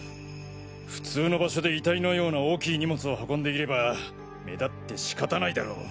普通の場所で遺体のような大きい荷物を運んでいれば目立って仕方ないだろう。